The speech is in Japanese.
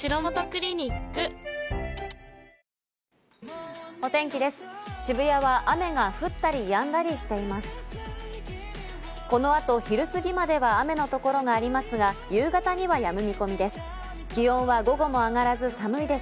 この後、昼過ぎまでは雨の所がありますが、夕方にはやむ見込みで